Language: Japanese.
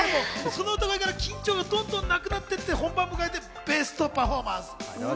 その歌声から緊張がどんどんなくなっていって、本番でベストパフォーマンス。